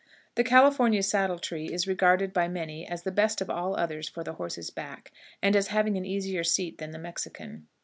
The California saddle tree is regarded by many as the best of all others for the horse's back, and as having an easier seat than the Mexican.